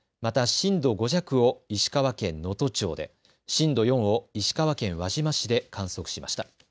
また震度５弱を石川県能登町で、震度４を石川県輪島市で観測しました。